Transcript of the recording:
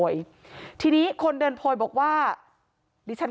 ความปลอดภัยของนายอภิรักษ์และครอบครัวด้วยซ้ำ